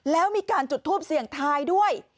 แล้วมีการจุดทูปเสี่ยงทายด้วย